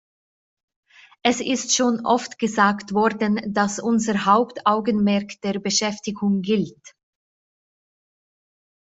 Es ist schon oft gesagt worden, dass unser Hauptaugenmerk der Beschäftigung gilt.